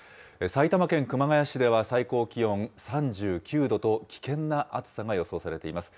埼玉県熊谷市では最高気温３９度と、危険な暑さが予想されています。